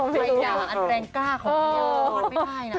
ไม่อยากอันแรงกล้าของพี่มอดไม่ได้นะ